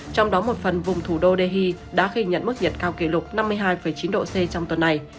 trong đó một phần vùng thủ đô dae đã ghi nhận mức nhiệt cao kỷ lục năm mươi hai chín độ c trong tuần này